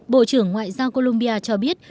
bộ trưởng ngoại giao colombia cho biết